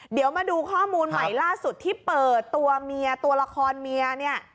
เดี๋ยวมาดูข้อมูลใหม่ล่าสุดที่เปิดตัวเมียตัวละครเมียเนี่ย